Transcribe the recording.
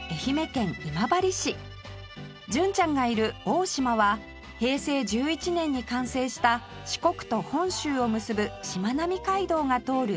純ちゃんがいる大島は平成１１年に完成した四国と本州を結ぶしなまみ街道が通る島の一つ